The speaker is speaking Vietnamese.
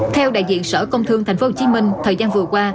theo đại diện sở công thương thành phố hồ chí minh thời gian vừa qua